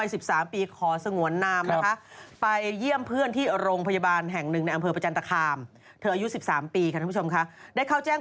เราไลน์ไลน์กันแค่เช้าเลยจริงมาดูสิว่าใครจะไลน์มาก่อนคนแรกท่านไหน